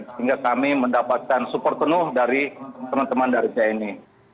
sehingga kami mendapatkan support penuh dari teman teman dari tni